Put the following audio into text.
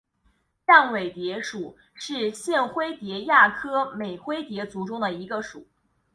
绽灰蝶属是线灰蝶亚科美灰蝶族中的一个属。